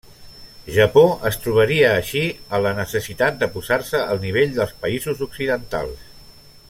Japó es trobaria així en la necessitat de posar-se al nivell dels països occidentals.